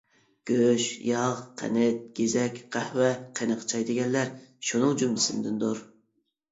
گۆش-ياغ، قەنت-گېزەك، قەھۋە، قېنىق چاي دېگەنلەر شۇنىڭ جۈملىسىدىندۇر.